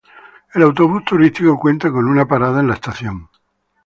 El autobús turístico cuenta con una parada en la estación.